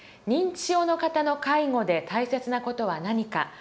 認知症の方の介護で大切な事は何か。